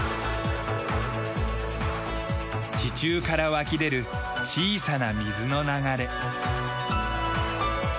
地中から湧き出る小さな水の流れ。